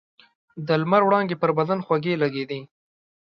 د لمر وړانګې پر بدن خوږې لګېدې.